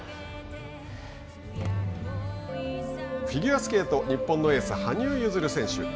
フィギュアスケート日本のエース羽生結弦選手。